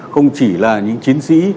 không chỉ là những chiến sĩ